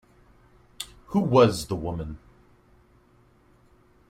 Who was the woman?